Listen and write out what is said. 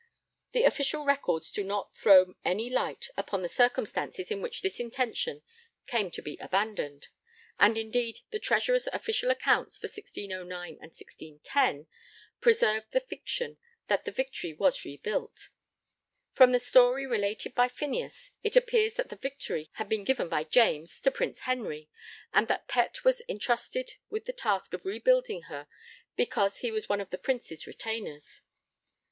The official records do not throw any light upon the circumstances in which this intention came to be abandoned, and indeed the Treasurer's official accounts for 1609 and 1610 preserve the fiction that the Victory was rebuilt. From the story related by Phineas, it appears that the Victory had been given by James to Prince Henry, and that Pett was entrusted with the task of rebuilding her because he was one of the Prince's retainers.